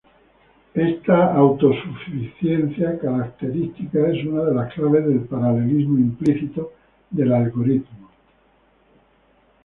Esta autosuficiencia característica es una de las claves del paralelismo implícito del algoritmo.